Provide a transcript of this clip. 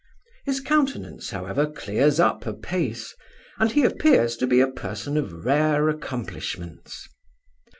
His countenance, however, clears up apace; and he appears to be a person of rare accomplishments.